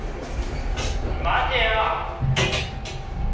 おい待てよ！